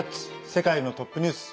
世界のトップニュース」。